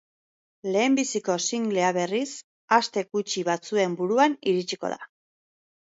Lehenbiziko singlea, berriz, aste gutxi batzuen buruan iritsiko da.